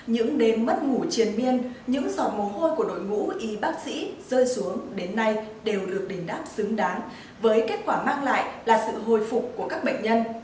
những đêm mất ngủ triền miên những giọt mồ hôi của đội ngũ y bác sĩ rơi xuống đến nay đều được đình đáp xứng đáng với kết quả mang lại là sự hồi phục của các bệnh nhân